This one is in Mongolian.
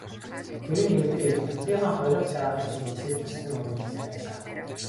Тэр нь ердөө эх нутгийнхаа хорих лагерьт шилжихийг хүссэн өргөдөл байлаа.